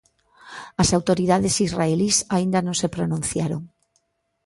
As autoridades israelís aínda non se pronunciaron.